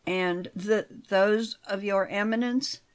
"And th those of Your Eminence?"